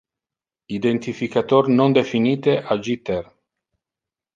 Identificator non definite a 'jitter'.